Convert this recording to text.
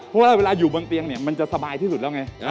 พอเวลาอยู่บางเตียงเนี่ยมันจะสบายที่สุดแล้วไง